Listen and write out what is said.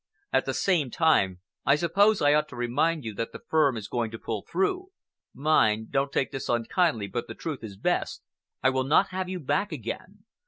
At the same time, I suppose I ought to remind you that the firm is going to pull through. Mind—don't take this unkindly but the truth is best—I will not have you back again.